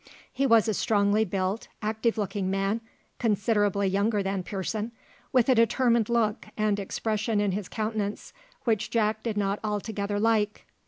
He was a strongly built, active looking man, considerably younger than Pearson, with a determined look and expression in his countenance which Jack did not altogether like.